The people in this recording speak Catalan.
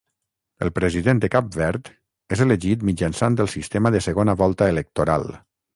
El President de Cap Verd és elegit mitjançant el sistema de segona volta electoral.